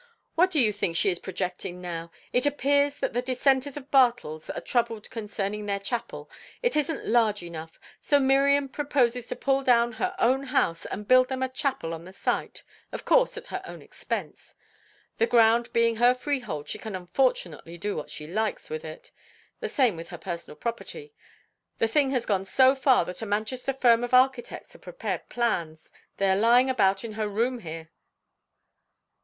What do you think she is projecting now? It appears that the Dissenters of Bartles are troubled concerning their chapel; it isn't large enough. So Miriam proposes to pull down her own house, and build them a chapel on the site, of course at her own expense. The ground being her freehold, she can unfortunately do what she likes with it; the same with her personal property. The thing has gone so far that a Manchester firm of architects have prepared plans; they are lying about in her room here."